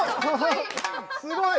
すごい！